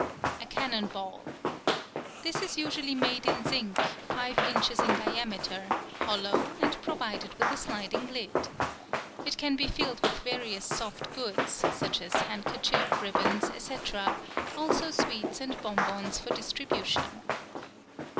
A cannon ball.—This is usually made in zinc, 5 in. in diameter, hollow, and provided with a sliding lid. It can be filled with various soft goods, such as handkerchiefs, ribbons, etc., also sweets and bonbons for distribution.